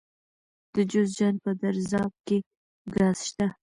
د جوزجان په درزاب کې ګاز شته.